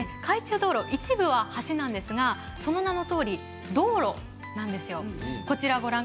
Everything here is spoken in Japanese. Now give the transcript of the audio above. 一部は橋なんですがその名のとおり道路なんですよ。